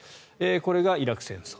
これがイラク戦争。